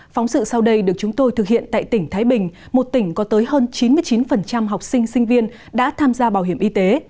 phóng sự sau đây được chúng tôi thực hiện tại tỉnh thái bình một tỉnh có tới hơn chín mươi chín học sinh sinh viên đã tham gia bảo hiểm y tế